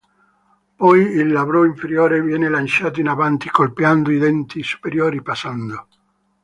Poi il labbro inferiore viene lanciato in avanti colpendo i denti superiori passando.